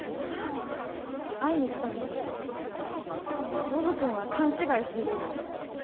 会いに来たんだよノブ君は勘違いしてるよ